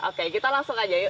oke kita langsung aja yuk